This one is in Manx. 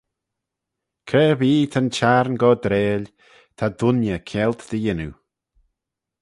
Cre erbee ta'n Chiarn gordrail, ta dooinney kianlt dy yannoo.